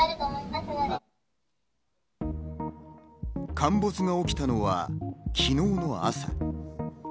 陥没が起きたのは昨日の朝。